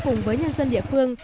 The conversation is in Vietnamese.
cùng với nhân dân địa phương